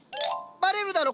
バレるだろ